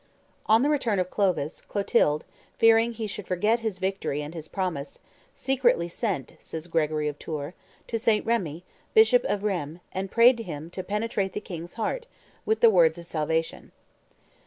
On the return of Clovis, Clotilde, fearing he should forget his victory and his promise, "secretly sent," says Gregory of Tours, "to St. Remi, bishop of Rheims, and prayed him to penetrate the king's heart, with the words of salvation."